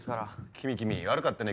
君君悪かったね